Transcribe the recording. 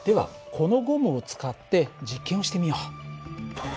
このゴムを使って実験をしてみよう。